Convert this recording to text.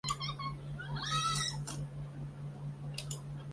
宪法中并未提及国旗长宽比。